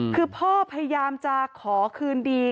คือพ่อพยายามจะขอคืนดี